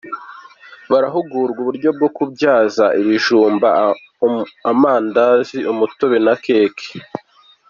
Barahugurwa uburyo bwo kubyaza ibijumba amandazi umutobe na keke